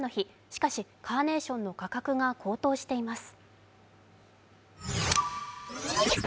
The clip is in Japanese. しかしカーネーションの価格が高騰しています。